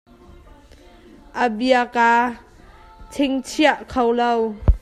A bia kaa chingchiah kho lo.